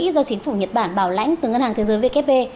do chính phủ nhật bản bảo lãnh từ ngân hàng thế giới vkp